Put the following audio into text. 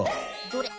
どれ？